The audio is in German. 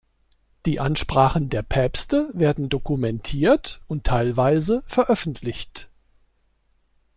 Die Ansprachen der Päpste werden dokumentiert und teilweise veröffentlicht.